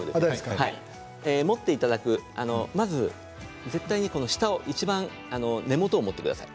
持っていただく絶対に下を根元を持ってください。